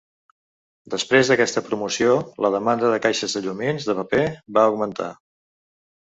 Després d"aquesta promoció, la demanda de caixes de llumins de paper va augmentar.